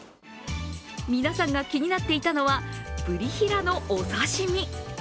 皆さんが気になっていたのは、ブリヒラのお刺身。